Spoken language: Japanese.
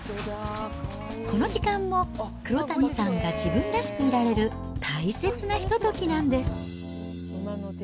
この時間も、黒谷さんが自分らしくいられる大切なひとときなんです。